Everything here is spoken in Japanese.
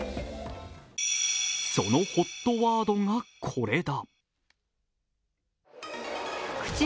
そのＨＯＴワードがこれだ。